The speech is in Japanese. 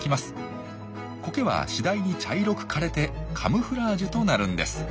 コケは次第に茶色く枯れてカムフラージュとなるんです。